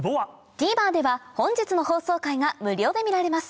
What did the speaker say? ＴＶｅｒでは本日の放送回が無料で見られます